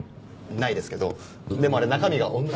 ないですけどでもあれ中身が温度。